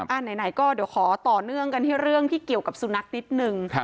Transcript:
ไหนก็เดี๋ยวขอต่อเนื่องกันที่เรื่องที่เกี่ยวกับสุนัขนิดนึง